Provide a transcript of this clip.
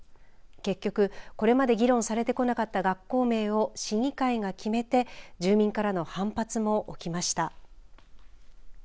結局これまで議論されてこなかった学校名を市議会が決めて反発が起きました。